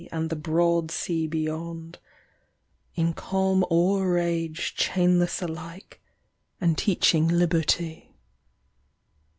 And the broad sea beyond, in calm or rage Chainless alike, and teaching Liberty.